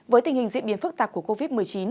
với tình hình diễn biến phức tạp của covid một mươi chín